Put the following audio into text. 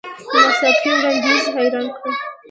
نا څاپي وړاندیز حیران کړم .